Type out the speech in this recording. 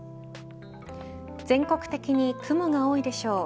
全国的に雲が多いでしょう。